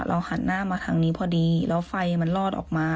หันหน้ามาทางนี้พอดีแล้วไฟมันลอดออกมา